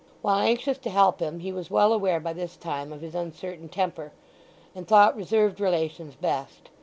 While anxious to help him he was well aware by this time of his uncertain temper, and thought reserved relations best.